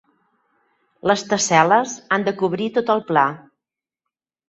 Les tessel·les han de cobrir tot el pla.